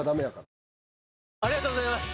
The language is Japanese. ありがとうございます！